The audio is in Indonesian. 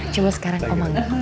coba sekarang omangkan